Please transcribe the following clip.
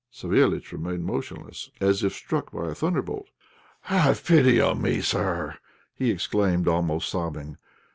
Savéliitch remained motionless, as it struck by a thunderbolt. "Have pity on me, sir," he exclaimed, almost sobbing.